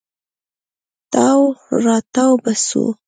تاو راتاو به سو.